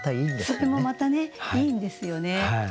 それもまたねいいんですよね。